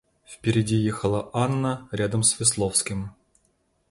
Впереди ехала Анна рядом с Весловским.